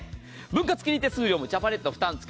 分割金利・手数料もジャパネット負担。